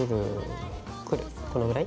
このぐらい？